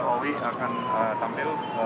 owi akan tampil